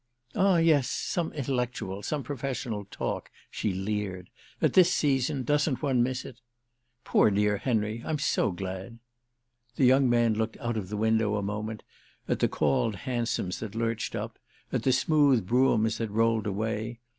"Ah yes, some intellectual, some professional, talk," she leered; "at this season doesn't one miss it? Poor dear Henry, I'm so glad!" The young man looked out of the window a moment, at the called hansoms that lurched up, at the smooth broughams that rolled away.